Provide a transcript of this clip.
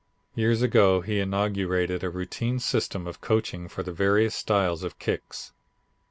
Years ago he inaugurated a routine system of coaching for the various styles of kicks.